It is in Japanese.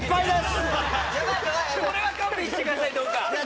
これは勘弁してください！